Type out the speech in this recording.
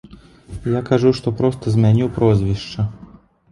Я кажу, што проста змяню прозвішча.